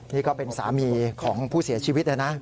นี่ก็เป็นสามีของผู้เสียชีวิตเลยนะ